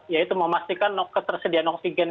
yaitu memastikan ketersediaan oksigen